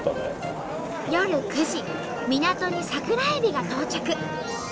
夜９時港に桜えびが到着。